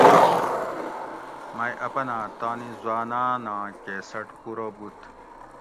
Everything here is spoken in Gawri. مئ اپنا تانی حٔواناۤناں کیسٹ پورہ بُد